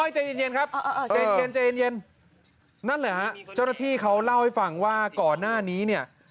เจ้าหน้าที่เขาเล่าให้ฟังว่าก่อนหน้านี้เนี่ย